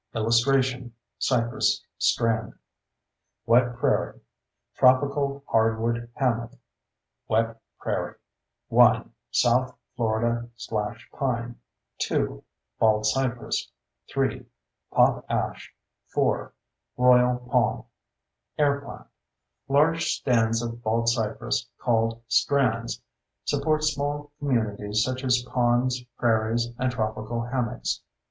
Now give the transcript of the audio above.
[Illustration: CYPRESS STRAND] WET PRAIRIE TROPICAL HARDWOOD HAMMOCK WET PRAIRIE 1 SOUTH FLORIDA SLASH PINE 2 BALDCYPRESS 3 POP ASH 4 ROYAL PALM AIR PLANT Large stands of baldcypress, called "strands," support small communities such as ponds, prairies, and tropical hammocks.